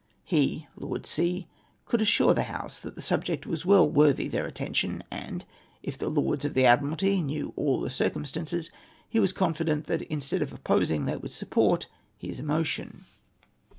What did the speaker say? "He (Lord C.) could assure the House the subject was well worthy their attention ; and, if the Lords of the Admiralty knew all the circumstances, he was confident that, instead of opposing, they would support his motion.